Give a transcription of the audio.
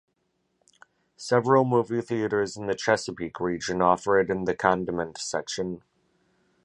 Several movie theaters in the Chesapeake region offer it in the condiment section.